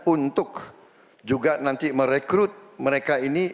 untuk juga nanti merekrut mereka ini